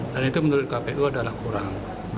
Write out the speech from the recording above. dan itu menurut kpu adalah kurang